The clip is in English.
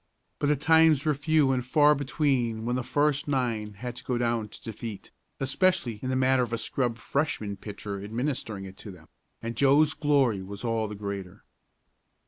But the times were few and far between when the first nine had to go down to defeat, especially in the matter of a scrub Freshman pitcher administering it to them, and Joe's glory was all the greater.